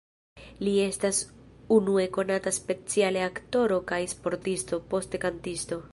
Li estas unue konata speciale aktoro kaj sportisto, poste kantisto.